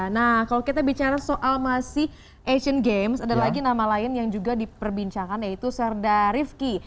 nah kalau kita bicara soal masih asian games ada lagi nama lain yang juga diperbincangkan yaitu serda rivki